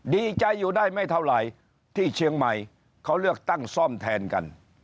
ดีใจอยู่ได้ไม่เท่าไหร่ที่เชียงใหม่เขาเลือกตั้งซ่อมแทนกัน